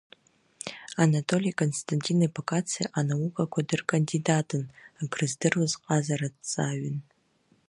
Анатоли Константин-иԥа Кациа анаукақәа дыркандидатын, акрыздыруаз ҟазараҭҵааҩын.